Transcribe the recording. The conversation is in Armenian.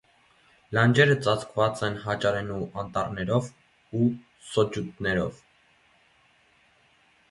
Լանջերը ծածկված են հաճարենու անտառներով ու սոճուտներով։